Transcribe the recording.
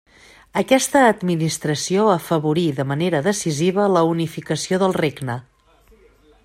Aquesta administració afavorí de manera decisiva la unificació del regne.